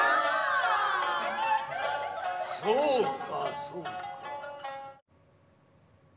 そうかそうか。